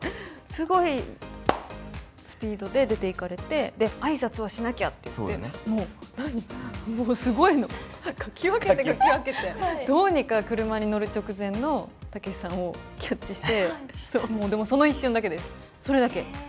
すごいスピードで出ていかれて、で、あいさつをしなきゃって、もう、もうすごいの、かき分けてかき分けて、どうにか車に乗る直前のたけしさんをキャッチして、でもその一瞬だけです、それだけ。